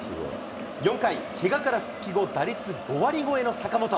４回、けがから復帰後、打率５割超えの坂本。